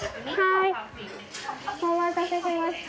お待たせしました。